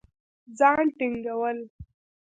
ځان ټينګول